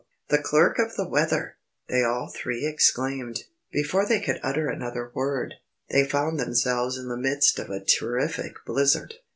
"The Clerk of the Weather!" they all three exclaimed. Before they could utter another word, they found themselves in the midst of a terrific blizzard.